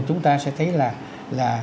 chúng ta sẽ thấy là